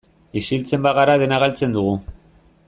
Isiltzen bagara dena galtzen dugu.